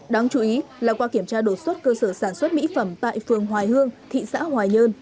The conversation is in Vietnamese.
đáng chú ý là qua kiểm tra đột xuất cơ sở sản xuất mỹ phẩm tại phường hoài hương thị xã hoài nhơn